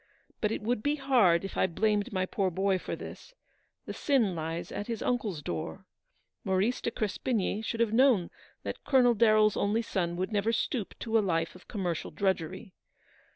But it would be hard if I blamed my poor boy for this. The sin lies at his uncle's door. Maurice de Crespigny should have known that Colonel 290 Darrell's only son would never stoop to a life of commercial drudgery.